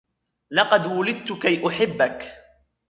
لقد وُلدت كي أحبك.